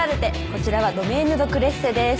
こちらはドメーヌ・ド・クレッセです。